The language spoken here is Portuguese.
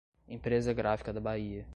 Empresa Gráfica da Bahia